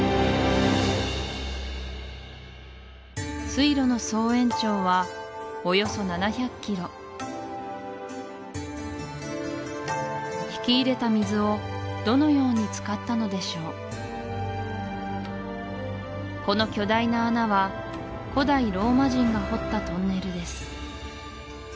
水路の総延長はおよそ７００キロ引き入れた水をどのように使ったのでしょうこの巨大な穴は古代ローマ人が掘ったトンネルです